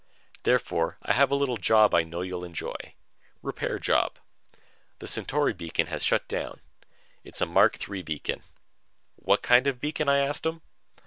Therefore I have a little job I know you'll enjoy. Repair job. The Centauri beacon has shut down. It's a Mark III beacon...." "What kind of beacon?" I asked him.